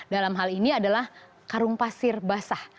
dalam hal ini adalah karung pasir basah